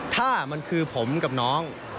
ถ้ามันคือผมกับน้อง